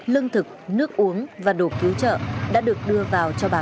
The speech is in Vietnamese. lương thực nước uống và đồ cứu trợ đã được đưa vào cho bà con